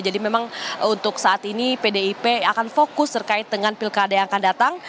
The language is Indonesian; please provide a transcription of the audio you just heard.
jadi memang untuk saat ini pdip akan fokus terkait dengan pilkada yang akan datang